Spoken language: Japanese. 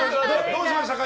どうしましたか？